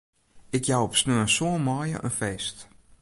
Ik jou op sneon sân maaie in feest.